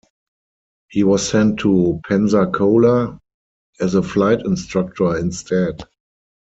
He was sent to Pensacola as a flight instructor instead.